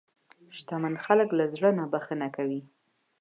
شتمن خلک له زړه نه بښنه کوي.